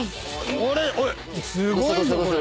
これすごいぞこれ。